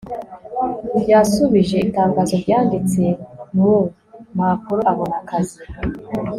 yashubije itangazo ryanditse mu mpapuro abona akazi